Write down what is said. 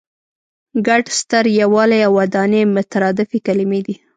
ګډ، ستر، یووالی او ودانۍ مترادفې کلمې دي.